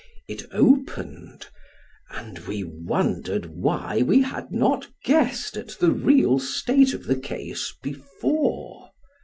It opened, and we wondered why we had not guessed at the real state of the case before.